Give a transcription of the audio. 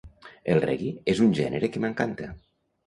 El reggae és un gènere que m'encanta.